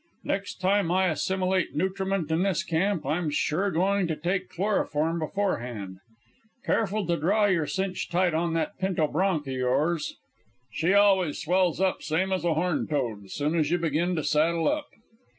Next time I assimilate nutriment in this camp I'm sure going to take chloroform beforehand. Careful to draw your cinch tight on that pinto bronc' of yours. She always swells up same as a horned toad soon as you begin to saddle up."